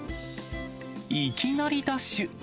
いきなりダッシュ。